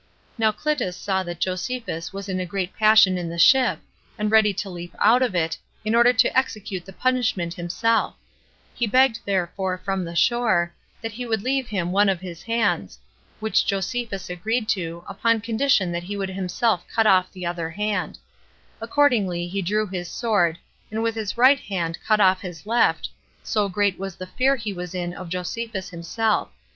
Now Clitus saw that Josephus was in a great passion in the ship, and ready to leap out of it, in order to execute the punishment himself; he begged therefore from the shore, that he would leave him one of his hands; which Josephus agreed to, upon condition that he would himself cutoff the other hand; accordingly he drew his sword, and with his right hand cut off his left, so great was the fear he was in of Josephus himself.